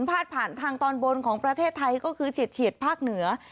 พาดผ่านทางตอนบนของประเทศไทยก็คือเฉียดภาคเหนือ